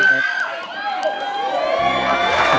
ขอบคุณมากครับ